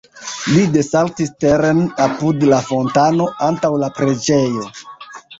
Ni desaltis teren apud la fontano, antaŭ la preĝejo.